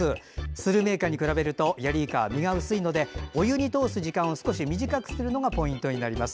スルメイカに比べるとヤリイカは身が薄いのでお湯に通す時間を少し短くするのがポイントです。